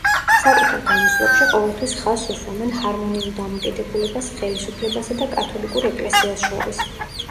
საკუთარ გამოსვლებში ყოველთვის ხაზს უსვამენ ჰარმონიულ დამოკიდებულებას ხელისუფლებასა და კათოლიკურ ეკლესიას შორის.